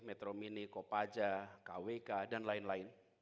metro mini kopaja kwk dan lain lain